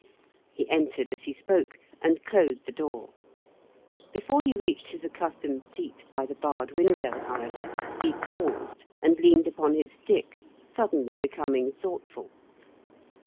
He entered as he spoke, and closed the door. Before he reached his accustomed seat by the barred window, however, he paused, and leaned upon his stick, suddenly becoming thoughtful.